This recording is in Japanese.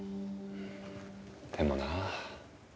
でもなあ。